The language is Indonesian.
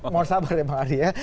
mohon sabar ya bang adi ya